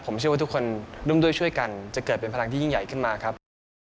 ผมเชื่อว่าทุกคนร่วมด้วยช่วยกันจะเกิดเป็นพลังที่ยิ่งใหญ่ขึ้นมาครับ